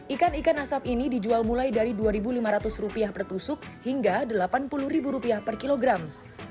ikan ikan asap ini dijual mulai dari rp dua lima ratus per tusuk hingga rp delapan puluh per kilogram